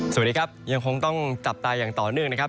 สวัสดีครับยังคงต้องจับตาอย่างต่อเนื่องนะครับ